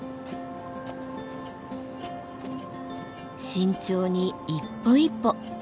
慎重に一歩一歩。